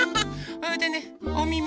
それでねおみみ。